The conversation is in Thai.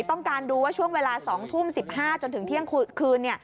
ต้องการดูว่าช่วงเวลา๒ทุ่ม๑๕จนถึงเที่ยงคืน